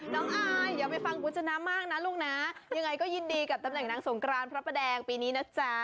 อายอย่าไปฟังคุณชนะมากนะลูกนะยังไงก็ยินดีกับตำแหน่งนางสงกรานพระประแดงปีนี้นะจ๊ะ